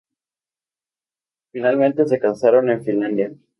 Finalmente se casaron en Finlandia.